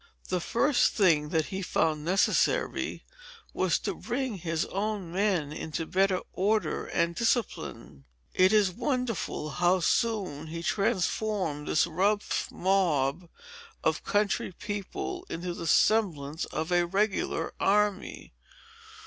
The first thing that he found necessary, was to bring his own men into better order and discipline. It is wonderful how soon he transformed this rough mob of country people into the semblance of a regular army.